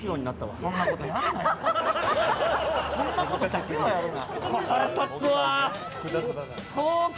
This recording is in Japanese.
そんなことだけはやるな！